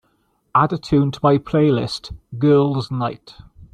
Add a tune to my playlist girls' night